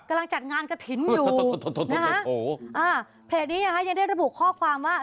จัดงานกระถิ่นอยู่อ่าเพจนี้นะคะยังได้ระบุข้อความว่า